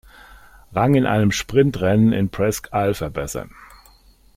Rang in einem Sprintrennen in Presque Isle verbessern.